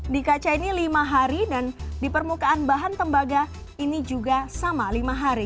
di kaca ini lima hari dan di permukaan bahan tembaga ini juga sama lima hari